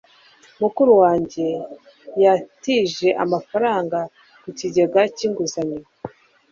mukuru wanjye yatije amafaranga mu kigega cy'inguzanyo